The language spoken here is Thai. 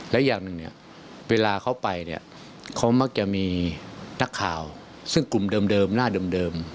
และอย่างหนึ่งเนี่ยเวลาเขาไปเนี่ยเขามักจะมีนักข่าวซึ่งกลุ่มเดิมหน้าเดิม